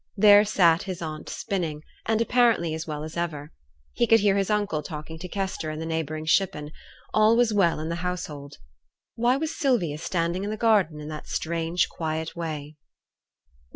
There sat his aunt spinning, and apparently as well as ever. He could hear his uncle talking to Kester in the neighbouring shippen; all was well in the household. Why was Sylvia standing in the garden in that strange quiet way?